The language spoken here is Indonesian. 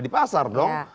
di pasar dong